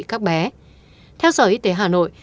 các bé theo sở y tế hà nội